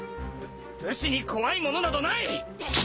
ぶ武士に怖いものなどない。